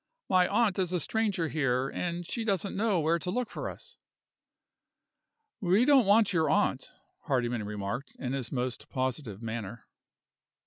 My aunt is a stranger here, and she doesn't know where to look for us." "We don't want your aunt," Hardyman remarked, in his most positive manner.